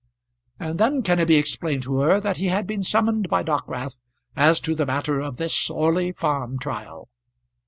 And then Kenneby explained to her that he had been summoned by Dockwrath as to the matter of this Orley Farm trial.